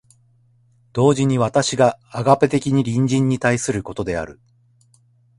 同時に私がアガペ的に隣人に対することである。